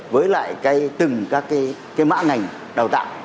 với lại cái sức khỏe của con người